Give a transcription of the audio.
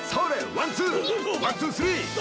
ワンツースリー！